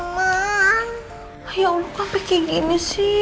ya allah kenapa kayak gini sih